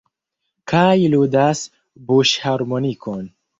Kaj ludas buŝharmonikon.